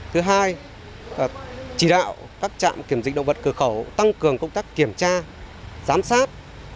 thứ hai chỉ đạo các trạm kiểm dịch động vật cửa khẩu tăng cường công tác kiểm tra giám sát